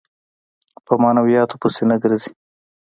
په معنوياتو پسې نه ګرځي.